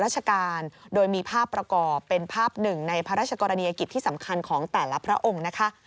ราชการโดยมีภาพประกอบเป็นภาพหนึ่งในพระราชกรณียกิจที่สำคัญของแต่ละพระองค์นะคะ